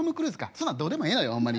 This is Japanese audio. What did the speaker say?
そんなんどうでもええのよホンマに。